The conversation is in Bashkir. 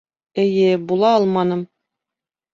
Эйе, була алманым.